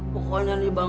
pokoknya nih bang